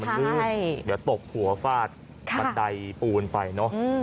มันลื่นเดี๋ยวตบหัวฟาดบันไดปูนไปเนอะ